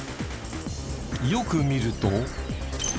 よく見ると。